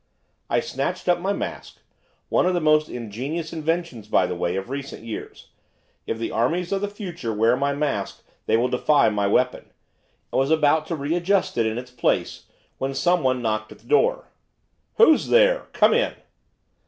I snatched up my mask one of the most ingenious inventions, by the way, of recent years; if the armies of the future wear my mask they will defy my weapon! and was about to re adjust it in its place, when someone knocked at the door. 'Who's there? Come in!